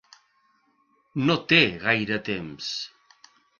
No té gaire temps.